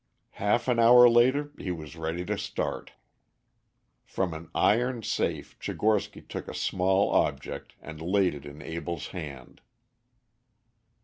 Half an hour later he was ready to start. From an iron safe Tchigorsky took a small object and laid it in Abell's hand.